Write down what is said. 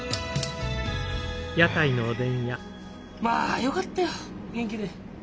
まあよかったよ元気で。